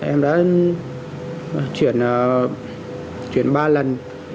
em đã chuyển ba lần